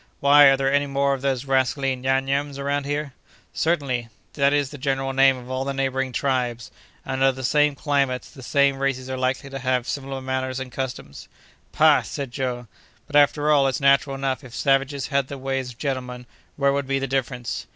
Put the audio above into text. "Why, are there any more of those rascally Nyam Nyams around here?" "Certainly; that is the general name of all the neighboring tribes, and, under the same climates, the same races are likely to have similar manners and customs." "Pah!" said Joe, "but, after all, it's natural enough. If savages had the ways of gentlemen, where would be the difference?